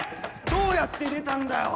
どうやって出たんだよ！？